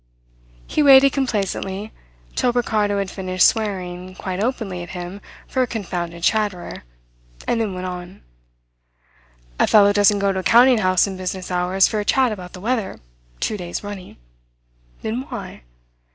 He waited complacently till Ricardo had finished swearing quite openly at him for a confounded chatterer, and then went on: "A fellow doesn't go to a counting house in business hours for a chat about the weather, two days running. Then why?